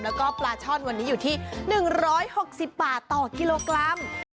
แล้วก็ปลาช่อนวันนี้อยู่ที่๑๖๐บาทต่อกิโลกรัม